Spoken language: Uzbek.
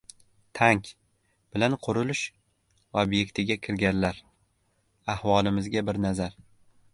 «Tank» bilan qurilish ob’yektiga kirganlar... Ahvolimizga bir nazar